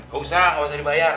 gak usah gak usah dibayar